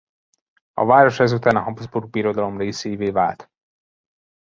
A város ezután a Habsburg Birodalom részévé vált.